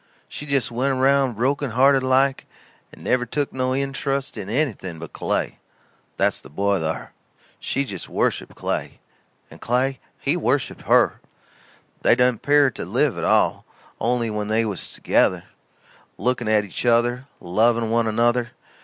She jest went around broken hearted like, and never took no intrust in anything but Clay that's the boy thar. She jest worshiped Clay and Clay he worshiped her. They didn't 'pear to live at all, only when they was together, looking at each other, loving one another.